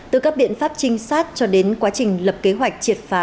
từ các biện pháp trinh sát cho đến quá trình lập kế hoạch triệt phá